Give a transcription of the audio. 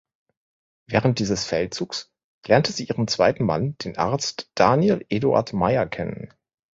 Während dieses Feldzugs lernte sie ihren zweiten Mann, den Arzt Daniel Eduard Meier, kennen.